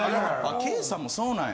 Ｋさんもそうなんや。